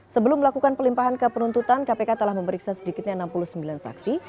sebelum melakukan pelimpahan ke penuntutan kpk telah memeriksa sedikitnya enam puluh sembilan saksi